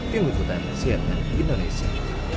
timbukutan siena indonesia